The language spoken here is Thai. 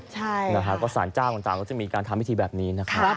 ใช่ค่ะค่ะค่ะสารจ้าวต่างจะมีการทำพิธีแบบนี้นะครับ